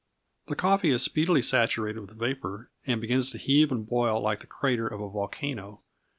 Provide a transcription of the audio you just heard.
The coffee is speedily saturated with vapor, and begins to heave and boil like the crater of a volcano.